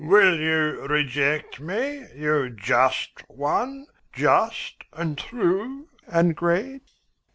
Will you reject me, you just one, Just, and True, and Great?'"